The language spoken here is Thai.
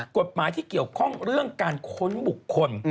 กฎหมายที่เกี่ยวข้องเรื่องการค้นบุคคล